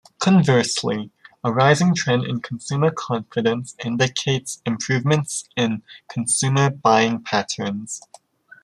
Conversely, a rising trend in consumer confidence indicates improvements in consumer buying patterns.